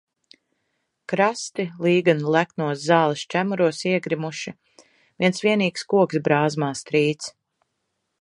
Krasti līgani leknos zāles čemuros iegrimuši, viens vienīgs koks brāzmās trīc.